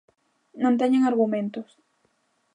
Non teñen argumentos.